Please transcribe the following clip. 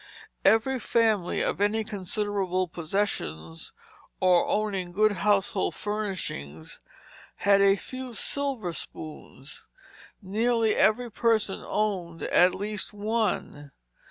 Every family of any considerable possessions or owning good household furnishings had a few silver spoons; nearly every person owned at least one.